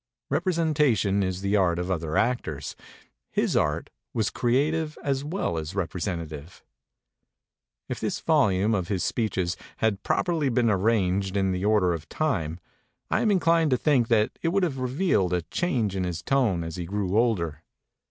Representation is the art of other actors; his art was creative as well as representative." If this volume of his speeches had properly been arranged in the order of time, I am in clined to think that it would have revealed a change in his tone as he grew older.